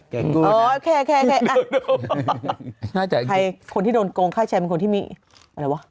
เก่งกูนะโอ้แค่อะใครคนที่โดนโกงค่าแชร์มันคนที่มีอะไรวะ